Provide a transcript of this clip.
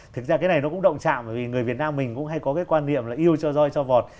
thực ra cái này nó cũng động trạm bởi vì người việt nam mình cũng hay có cái quan niệm là yêu cho roi cho vọt